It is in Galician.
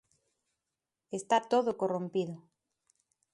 Está todo corrompido.